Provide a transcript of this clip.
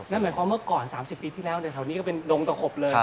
นั่นหมายความว่าเมื่อก่อน๓๐ปีที่แล้วแถวนี้ก็เป็นดงตะขบเลย